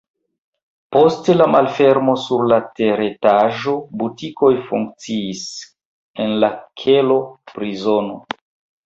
Post la malfermo sur la teretaĝo butikoj funkciis, en la kelo prizono.